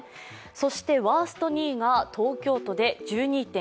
そしてワースト２位が東京都で１２．１％。